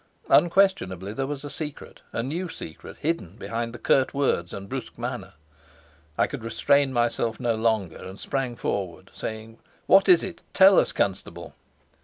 Unquestionably there was a secret, a new secret, hidden behind the curt words and brusque manner. I could restrain myself no longer, and sprang forward, saying: "What is it? Tell us, Constable!"